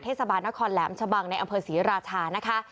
เทศบาลนครแหลมชะบังในอำเภอศรีราชานะคะ